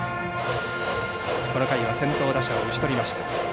この回は先頭打者を打ち取りました。